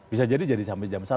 bisa jadi sampai jam satu